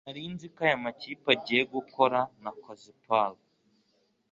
nari nzi ko aya makipe agiye gukora, nakoze par